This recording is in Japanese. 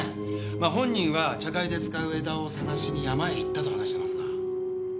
まあ本人は茶会で使う枝を探しに山へ行ったと話してますが。